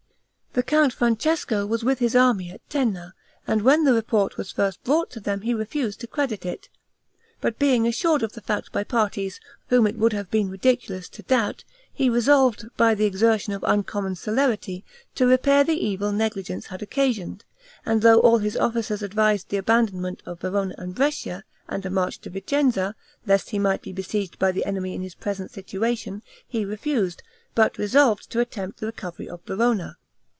The Count Francesco was with his army at Tenna; and when the report was first brought to him he refused to credit it; but being assured of the fact by parties whom it would have been ridiculous to doubt, he resolved, by the exertion of uncommon celerity, to repair the evil negligence had occasioned; and though all his officers advised the abandonment of Verona and Brescia, and a march to Vicenza, lest he might be besieged by the enemy in his present situation, he refused, but resolved to attempt the recovery of Verona.